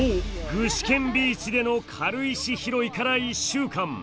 具志堅ビーチでの軽石拾いから１週間。